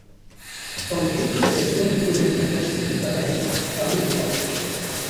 Sanctius est le premier connu à classer l’hypallage parmi les tropes.